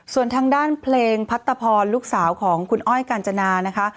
ส่วนทางด้านเพลงพัตตะพรลูกสาวของคุณอ้อยกาญจนานะคะ